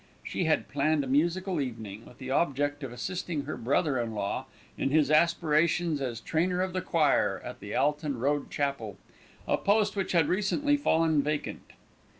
She had planned a musical evening, with the object of assisting her brother in law in his aspirations as trainer of the choir at the Alton Road Chapel, a post which had recently fallen vacant.